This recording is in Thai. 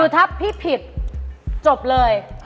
ถ้าพี่ผิดจบเลย